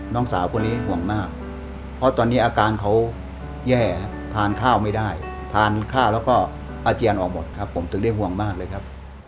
น้องสาวคนนี้ห่วงมากเพราะตอนนี้อาการเขาแย่ทานข้าวไม่ได้ทานข้าวแล้วก็อาเจียนออกหมดครับผมถึงได้ห่วงมากเลยครับ